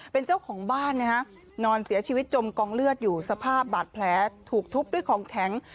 เป็นเจ้าของบ้านนะฮะนอนเสียชีวิตจมกองเลือดอยู่สภาพบาดแผลถูกทุบด้วยของแข็ง